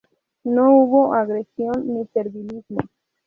No hubo agresión ni servilismo.